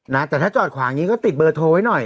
นะแต่ถ้าจอดขวางอย่างนี้ก็ติดเบอร์โทรไว้หน่อย